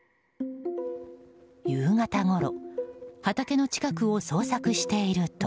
夕方ごろ畑の近くを捜索していると。